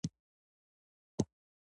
آیا او د خپلو خلکو د سوکالۍ لپاره نه ده؟